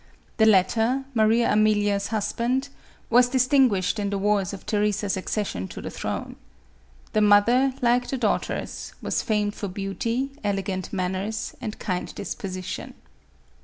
The latter, Maria Ame lia's husband, was distinguished in the wars of Theresa's accession to the throne. The mother, like the daugh ters, was famed for beauty, elegant manners and kind disposition.